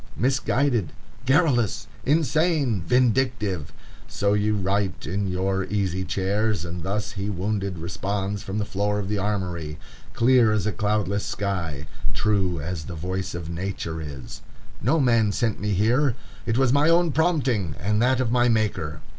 "Misguided"! "Garrulous"! "Insane"! "Vindictive"! So ye write in your easy chairs, and thus he wounded responds from the floor of the Armory, clear as a cloudless sky, true as the voice of nature is: "No man sent me here; it was my own prompting and that of my Maker.